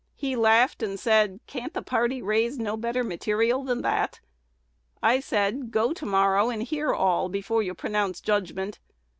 He laughed and said, 'Can't the party raise no better material than that?' I said, 'Go to morrow, and hear all before you pronounce judgment.'